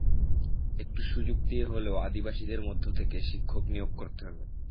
একটু সুযোগ দিয়ে হলেও আদিবাসীদের মধ্য থেকে শিক্ষক নিয়োগ করতে হবে।